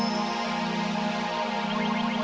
dari akhir akhir ini